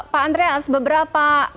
pak andreas beberapa pasal